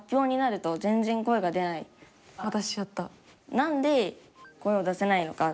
何で声を出せないのか。